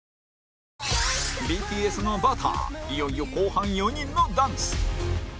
ＢＴＳ の『Ｂｕｔｔｅｒ』いよいよ後半４人のダンス